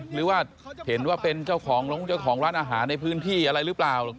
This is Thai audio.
หรือว่าเห็นว่าเป็นเจ้าของร้านอาหารในพื้นที่อะไรรึเปล่า